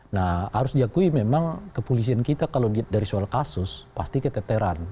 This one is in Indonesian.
nah harus diakui memang kepolisian kita kalau dari soal kasus pasti keteteran